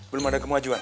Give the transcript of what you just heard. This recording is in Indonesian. belum ada kemauajuan